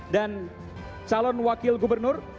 dan calon wakil gubernur